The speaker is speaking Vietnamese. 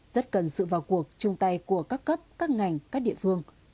rất cần sự vào cuộc chung tay của các cấp các ngành các địa phương